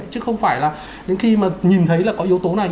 chứ không phải là những khi mà nhìn thấy là có yếu tố này